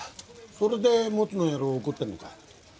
それでモツの野郎怒ってるのかい？